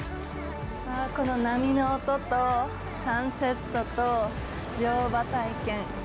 この波の音と、サンセットと乗馬体験。